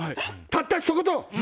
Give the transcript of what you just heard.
たったひと言！